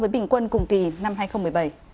với bình quân cùng kỳ năm hai nghìn một mươi bảy